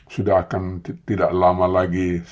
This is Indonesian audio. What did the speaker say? sudah akan tidak lama lagi